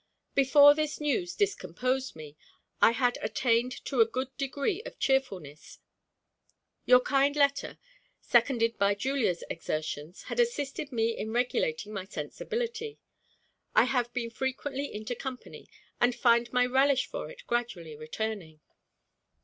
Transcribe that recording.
Before this news discomposed me, I had attained to a good degree of cheerfulness. Your kind letter, seconded by Julia's exertions, had assisted me in regulating my sensibility. I have been frequently into company, and find my relish for it gradually returning.